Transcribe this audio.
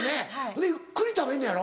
ほんでゆっくり食べんのやろ。